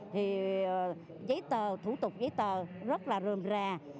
thì giấy tờ thủ tục giấy tờ rất là rươm rà